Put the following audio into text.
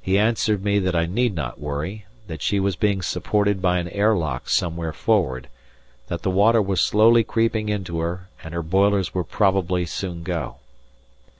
He answered me that I need not worry, that she was being supported by an air lock somewhere forward, that the water was slowly creeping into her and her boilers would probably soon go.